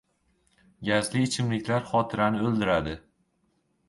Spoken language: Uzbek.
"Gazli ichimliklar xotirani o‘ldiradi…"